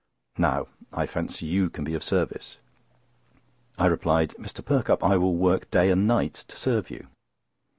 Now, I fancy you can be of service." I replied: "Mr. Perkupp, I will work day and night to serve you!"